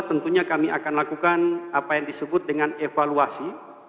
tentunya kami akan lakukan apa yang disebut dengan evaluasi